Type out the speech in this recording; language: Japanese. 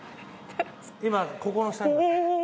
今ここの下。